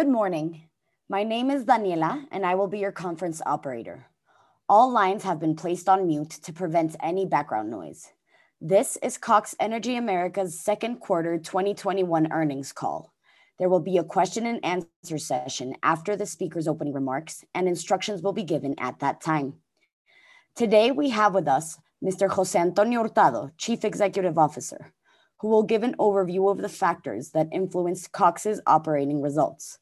Good morning. My name is Daniela, and I will be your conference operator. All lines have been placed on mute to prevent any background noise. This is Cox Energy América's second quarter 2021 earnings call. There will be a question and answer session after the speaker's opening remarks, and instructions will be given at that time. Today, we have with us Mr. José Antonio Hurtado, Chief Executive Officer, who will give an overview of the factors that influenced Cox's operating results,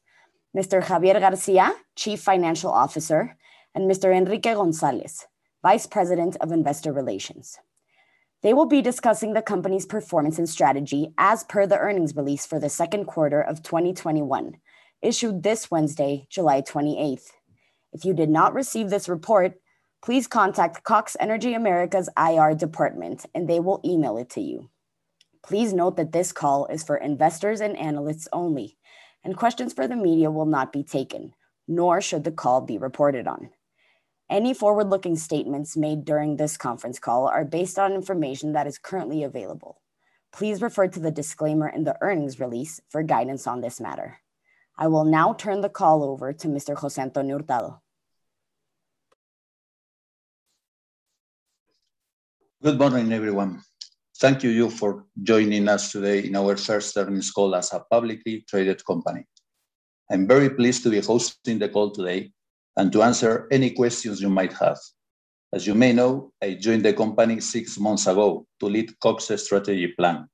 Mr. Javier García, Chief Financial Officer, and Mr. Enrique González, Vice President of Investor Relations. They will be discussing the company's performance and strategy as per the earnings release for the second quarter of 2021, issued this Wednesday, July 28th. If you did not receive this report, please contact Cox Energy América's IR department, and they will email it to you. Please note that this call is for investors and analysts only, and questions for the media will not be taken, nor should the call be reported on. Any forward-looking statements made during this conference call are based on information that is currently available. Please refer to the disclaimer in the earnings release for guidance on this matter. I will now turn the call over to Mr. José Antonio Hurtado. Good morning, everyone. Thank you for joining us today in our first earnings call as a publicly traded company. I'm very pleased to be hosting the call today and to answer any questions you might have. As you may know, I joined the company six months ago to lead Cox's strategy plan,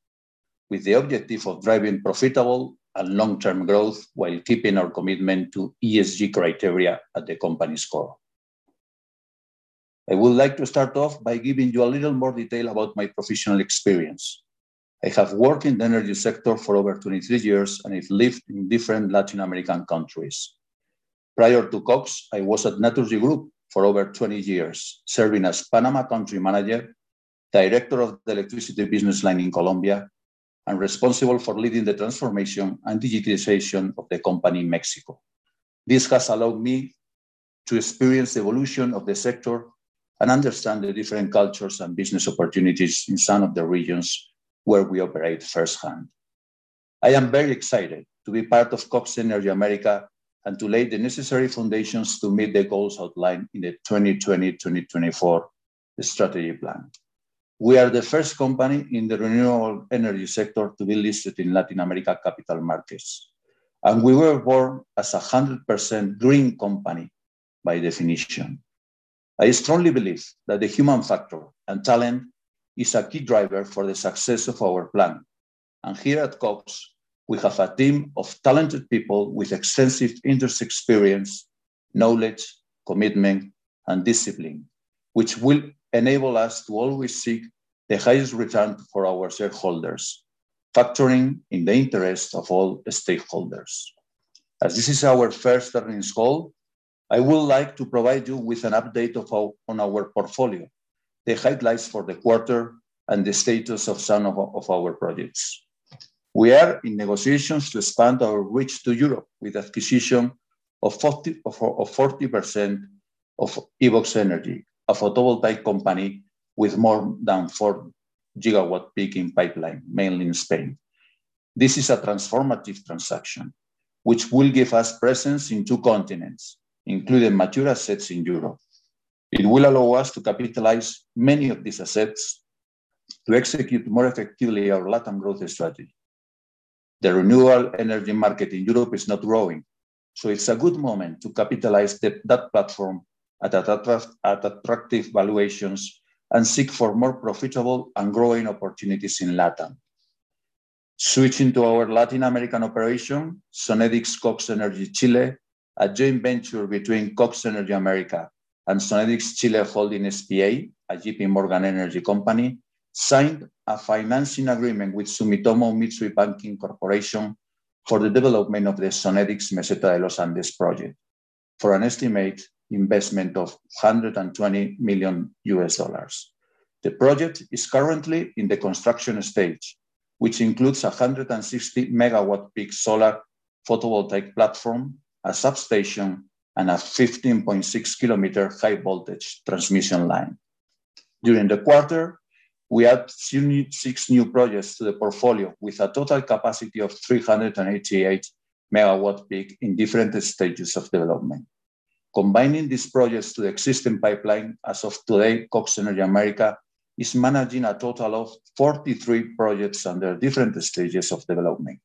with the objective of driving profitable and long-term growth while keeping our commitment to Environmental, Social, and Governance criteria at the company's core. I would like to start off by giving you a little more detail about my professional experience. I have worked in the energy sector for over 23 years, and I've lived in different Latin American countries. Prior to Cox, I was at Naturgy Group for over 20 years, serving as Panama Country Manager, Director of the Electricity Business Line in Colombia, and responsible for leading the transformation and digitization of the company in Mexico. This has allowed me to experience the evolution of the sector and understand the different cultures and business opportunities in some of the regions where we operate firsthand. I am very excited to be part of Cox Energy América and to lay the necessary foundations to meet the goals outlined in the 2020-2024 Strategic Plan. We are the first company in the renewable energy sector to be listed in Latin America capital markets, and we were born as a 100% green company by definition. I strongly believe that the human factor and talent is a key driver for the success of our plan. Here at Cox, we have a team of talented people with extensive industry experience, knowledge, commitment, and discipline, which will enable us to always seek the highest return for our shareholders, factoring in the interest of all stakeholders. As this is our first earnings call, I would like to provide you with an update on our portfolio, the highlights for the quarter, and the status of some of our projects. We are in negotiations to expand our reach to Europe with acquisition of 40% of EVOQS Energy, a photovoltaic company with more than 4 GW-peak in pipeline, mainly in Spain. This is a transformative transaction, which will give us presence in two continents, including mature assets in Europe. It will allow us to capitalize many of these assets to execute more effectively our LatAm growth strategy. The renewable energy market in Europe is now growing, so it's a good moment to capitalize that platform at attractive valuations and seek for more profitable and growing opportunities in LatAm. Switching to our Latin American operation, Sonnedix Cox Energy Chile, a joint venture between Cox Energy América and Sonnedix Chile Holding SpA, a JPMorgan energy company, signed a financing agreement with Sumitomo Mitsui Banking Corporation for the development of the Sonnedix Meseta de los Andes project, for an estimated investment of $120 million. The project is currently in the construction stage, which includes 160 MW-peak solar photovoltaic platform, a substation, and a 15.6 km high voltage transmission line. During the quarter, we added 76 new projects to the portfolio, with a total capacity of 388 MW-peak in different stages of development. Combining these projects to the existing pipeline, as of today, Cox Energy América is managing a total of 43 projects under different stages of development,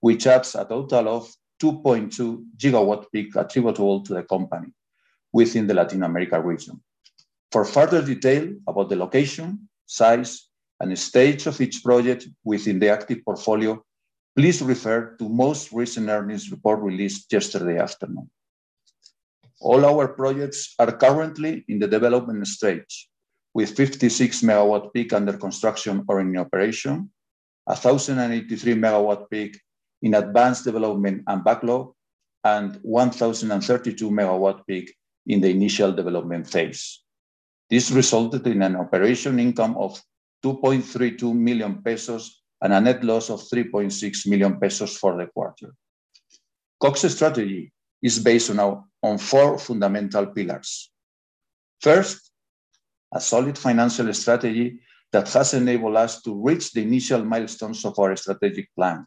which adds a total of 2.2 GW-peak attributable to the company within the Latin America region. For further detail about the location, size, and stage of each project within the active portfolio, please refer to most recent earnings report released yesterday afternoon. All our projects are currently in the development stage, with 56 MW-peak under construction or in operation, 1,083 MW-peak in advanced development and backlog, and 1,032 MW-peak in the initial development phase. This resulted in an operation income of 2.32 million pesos and a net loss of 3.6 million pesos for the quarter. Cox's strategy is based on four fundamental pillars. First, a solid financial strategy that has enabled us to reach the initial milestones of our strategic plan,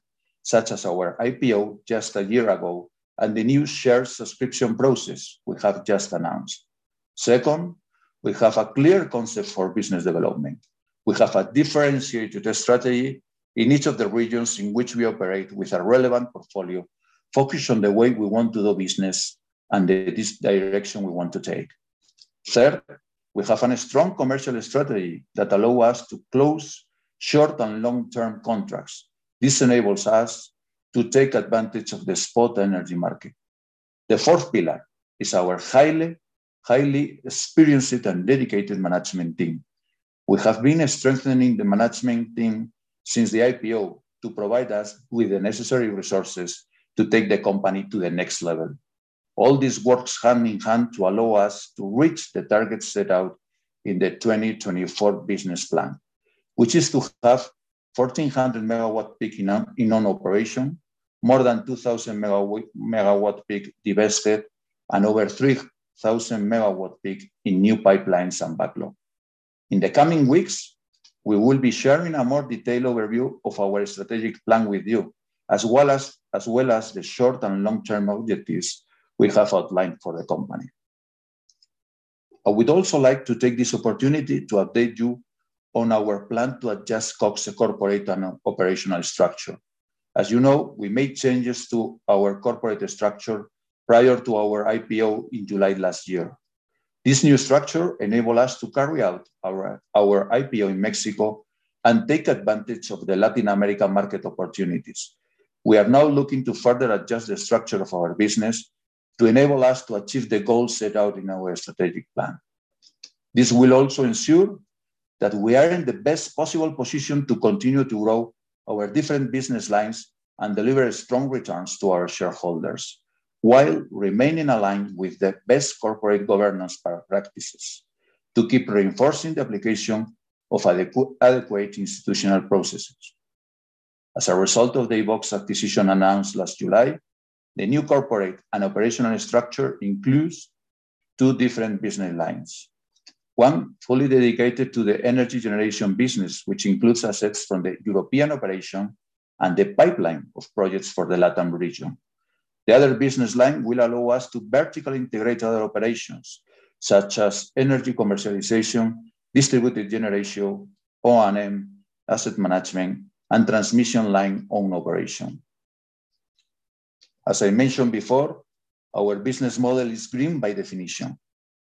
such as our IPO just a year ago and the new share subscription process we have just announced. Second, we have a clear concept for business development. We have a differentiated strategy in each of the regions in which we operate with a relevant portfolio, focused on the way we want to do business and the direction we want to take. Third, we have a strong commercial strategy that allows us to close short and long-term contracts. This enables us to take advantage of the spot energy market. The fourth pillar is our highly experienced and dedicated management team. We have been strengthening the management team since the IPO to provide us with the necessary resources to take the company to the next level. All this works hand-in-hand to allow us to reach the targets set out in the 2024 business plan, which is to have 1,400 MWp in operation, more than 2,000 MWp divested, and over 3,000 MWp in new pipelines and backlog. In the coming weeks, we will be sharing a more detailed overview of our strategic plan with you, as well as the short and long-term objectives we have outlined for the company. I would also like to take this opportunity to update you on our plan to adjust Cox's corporate and operational structure. As you know, we made changes to our corporate structure prior to our IPO in July last year. This new structure enabled us to carry out our IPO in Mexico and take advantage of the Latin American market opportunities. We are now looking to further adjust the structure of our business to enable us to achieve the goals set out in our strategic plan. This will also ensure that we are in the best possible position to continue to grow our different business lines and deliver strong returns to our shareholders, while remaining aligned with the best corporate governance practices to keep reinforcing the application of adequate institutional processes. As a result of the Ibox acquisition announced last July, the new corporate and operational structure includes two different business lines. One fully dedicated to the energy generation business, which includes assets from the European operation and the pipeline of projects for the LatAm region. The other business line will allow us to vertically integrate other operations, such as energy commercialization, distributed generation, Operation & Maintenance, asset management, and transmission line operation. As I mentioned before, our business model is green by definition.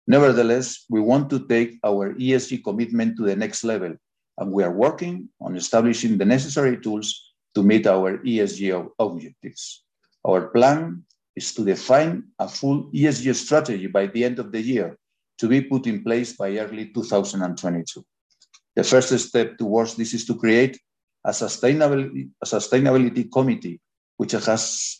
We want to take our ESG commitment to the next level, and we are working on establishing the necessary tools to meet our ESG objectives. Our plan is to define a full ESG strategy by the end of the year, to be put in place by early 2022. The first step towards this is to create a sustainability committee, which has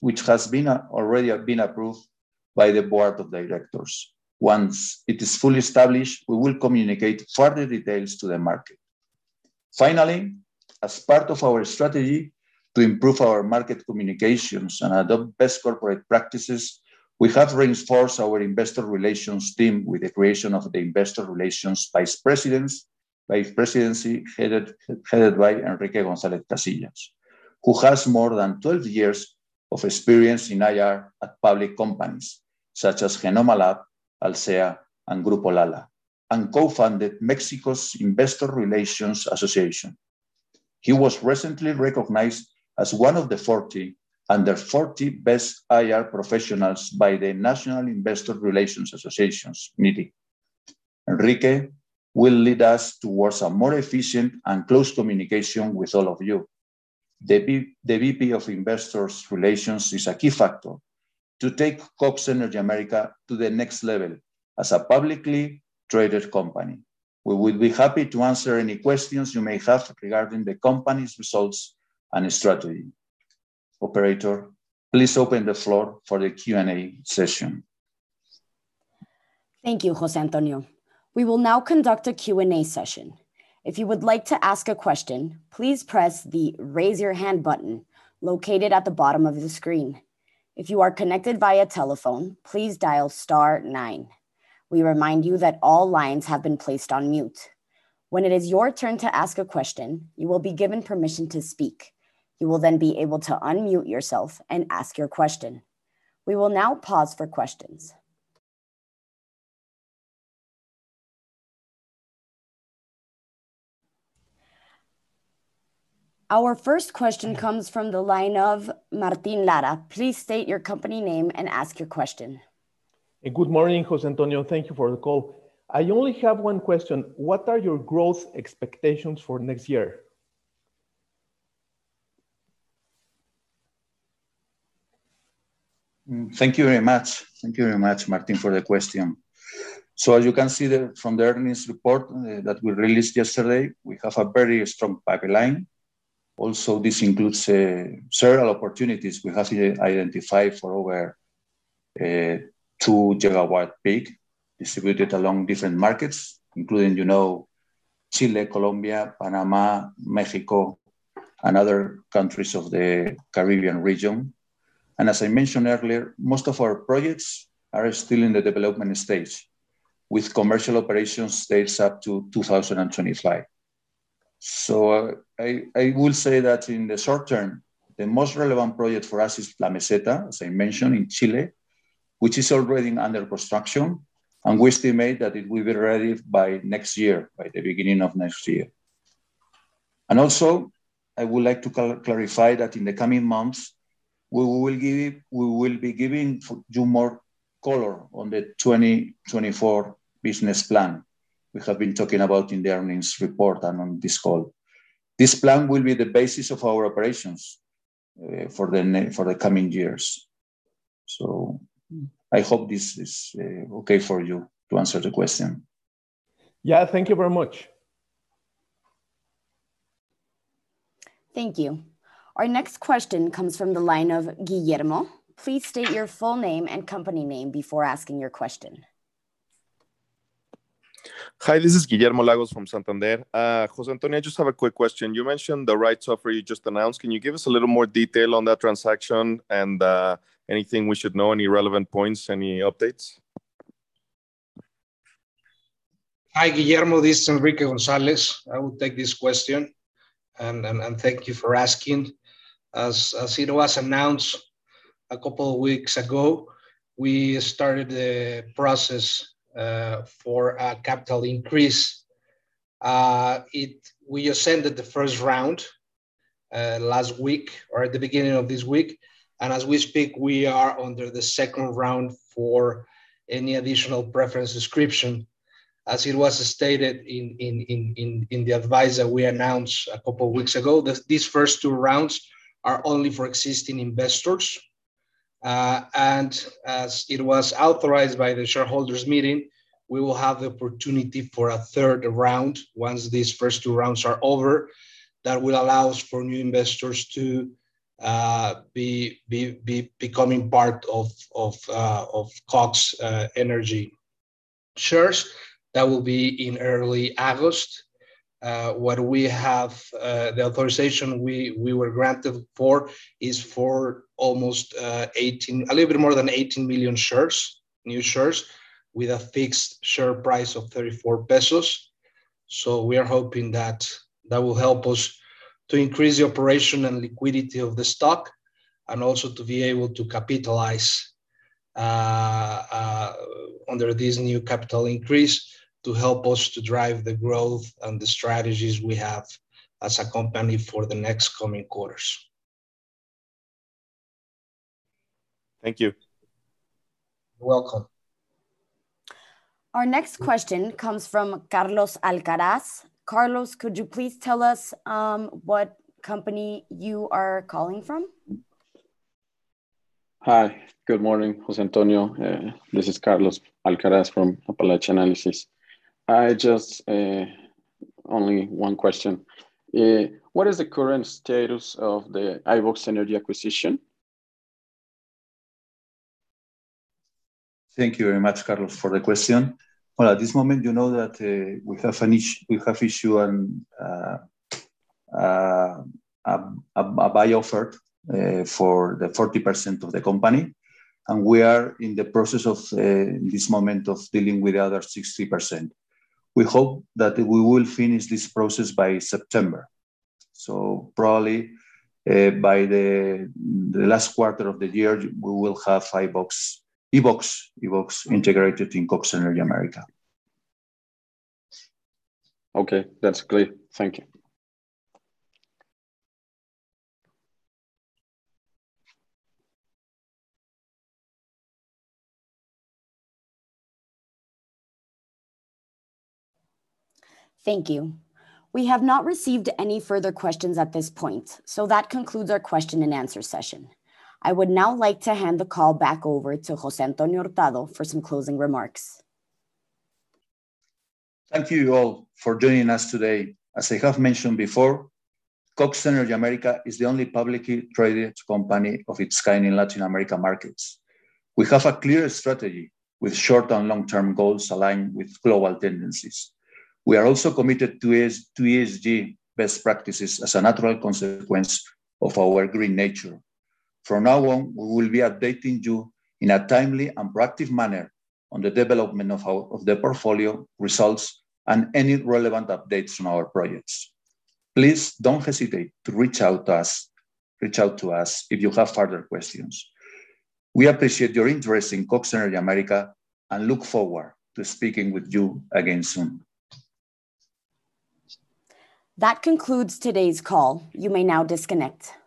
already been approved by the board of directors. Once it is fully established, we will communicate further details to the market. As part of our strategy to improve our market communications and adopt best corporate practices, we have reinforced our Investor Relations team with the creation of the Investor Relations Vice Presidency, headed by Enrique González Casillas, who has more than 12 years of experience in IR at public companies, such as Genomma Lab, Alsea, and Grupo Lala, and co-founded Mexico's Investor Relations Association. He was recently recognized as one of the 40 best IR professionals by the National Investor Relations Institute meeting. Enrique will lead us towards a more efficient and close communication with all of you. The VP of Investor Relations is a key factor to take Cox Energy América to the next level as a publicly traded company. We will be happy to answer any questions you may have regarding the company's results and strategy. Operator, please open the floor for the Q&A session. Thank you, José Antonio. We will now conduct a Q&A session. If you would like to ask a question, please press the Raise Your Hand button located at the bottom of the screen. If you are connected via telephone, please dial star nine. We remind you that all lines have been placed on mute. When it is your turn to ask a question, you will be given permission to speak. You will then be able to unmute yourself and ask your question. We will now pause for questions. Our first question comes from the line of Martín Lara. Please state your company name and ask your question. Good morning, José Antonio. Thank you for the call. I only have one question. What are your growth expectations for next year? Thank you very much. Thank you very much, Martin, for the question. As you can see from the earnings report that we released yesterday, we have a very strong pipeline. This includes several opportunities we have identified for over 2 GW-peak distributed along different markets, including Chile, Colombia, Panama, Mexico, and other countries of the Caribbean region. As I mentioned earlier, most of our projects are still in the development stage, with commercial operation stage up to 2025. I will say that in the short term, the most relevant project for us is La Meseta, as I mentioned, in Chile, which is already under construction, and we estimate that it will be ready by the beginning of next year. Also, I would like to clarify that in the coming months, we will be giving you more color on the 2024 business plan we have been talking about in the earnings report and on this call. This plan will be the basis of our operations for the coming years. I hope this is okay for you to answer the question. Yeah, thank you very much. Thank you. Our next question comes from the line of Guillermo. Please state your full name and company name before asking your question. Hi, this is Guillermo Lagos from Santander México. José Antonio, I just have a quick question. You mentioned the rights offer you just announced. Can you give us a little more detail on that transaction and anything we should know, any relevant points, any updates? Hi, Guillermo. This is Enrique González Casillas. I will take this question. Thank you for asking. As it was announced a couple of weeks ago, we started the process for a capital increase. We ascended the first round last week, or at the beginning of this week. As we speak, we are under the second round for any additional preference subscription. As it was stated in the advice that we announced a couple of weeks ago, these first two rounds are only for existing investors. As it was authorized by the shareholders meeting, we will have the opportunity for a third round once these first two rounds are over. That will allow for new investors to become part of Cox Energy shares. That will be in early August. The authorization we were granted for is for a little bit more than 18 million new shares, with a fixed share price of 34 pesos. We are hoping that that will help us to increase the operation and liquidity of the stock, and also to be able to capitalize under this new capital increase to help us to drive the growth and the strategies we have as a company for the next coming quarters. Thank you. You're welcome. Our next question comes from Carlos Alcaraz. Carlos, could you please tell us what company you are calling from? Hi. Good morning, José Antonio. This is Carlos Alcaraz from Apalache Analysis. Only one question. What is the current status of the Ibox Energy acquisition? Thank you very much, Carlos, for the question. Well, at this moment, you know that we have issued a buy offer for the 40% of the company, and we are in the process at this moment of dealing with the other 60%. We hope that we will finish this process by September. Probably, by the last quarter of the year, we will have Ibox integrated in Cox Energy América. Okay. That's clear. Thank you. Thank you. We have not received any further questions at this point. That concludes our question and answer session. I would now like to hand the call back over to José Antonio Hurtado de Mendoza for some closing remarks. Thank you all for joining us today. As I have mentioned before, Cox Energy América is the only publicly traded company of its kind in Latin America markets. We have a clear strategy, with short and long-term goals aligned with global tendencies. We are also committed to ESG best practices as a natural consequence of our green nature. From now on, we will be updating you in a timely and proactive manner on the development of the portfolio, results, and any relevant updates on our projects. Please don't hesitate to reach out to us if you have further questions. We appreciate your interest in Cox Energy América and look forward to speaking with you again soon. That concludes today's call. You may now disconnect.